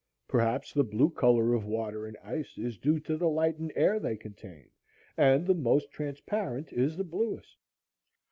Perhaps the blue color of water and ice is due to the light and air they contain, and the most transparent is the bluest.